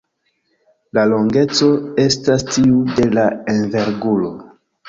La longeco estas tiu de la enverguro.